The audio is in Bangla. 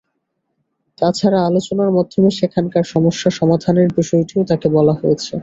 তা ছাড়া আলোচনার মাধ্যমে সেখানকার সমস্যার সমাধানের বিষয়টিও তাঁকে বলা হয়েছে।